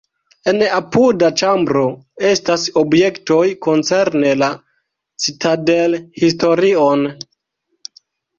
En apuda ĉambro estas objektoj koncerne la citadelhistorion.